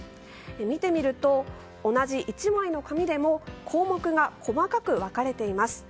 見てみると同じ１枚の紙でも項目が細かく分かれています。